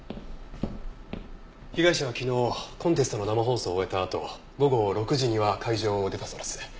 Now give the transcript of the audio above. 被害者は昨日コンテストの生放送を終えたあと午後６時には会場を出たそうです。